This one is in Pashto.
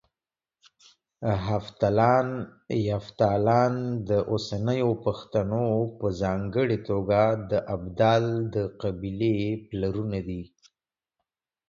هفتلان، يفتالان د اوسني پښتنو په ځانګړه توګه د ابدال قبيله پلرونه دي